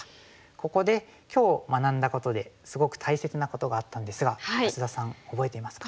ここで今日学んだことですごく大切なことがあったんですが安田さん覚えていますか？